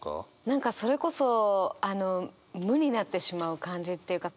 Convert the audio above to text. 何かそれこそあの無になってしまう感じっていうか